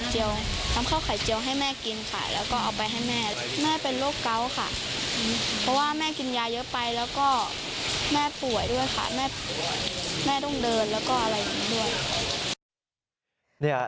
แล้วก็แม่ป่วยด้วยค่ะแม่ต้องเดินแล้วก็อะไรอย่างนี้ด้วย